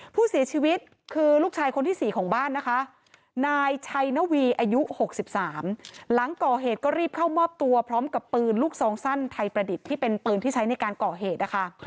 ผู้เสียชีวิตคือลูกชายคนที่๔ของบ้านนะคะนายชัยนวีอายุ๖๓หลังก่อเหตุก็รีบเข้ามอบตัวพร้อมกับปืนลูกซองสั้นไทยประดิษฐ์ที่เป็นปืนที่ใช้ในการก่อเหตุนะคะ